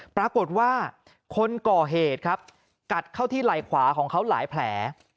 ปรากฏว่าคนก่อเหตุครับกัดเข้าที่ไหล่ขวาของเขาหลายแผล